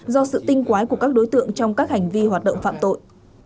do sự tinh quái của các đối tượng trong các hành vi hoạt động phạm tội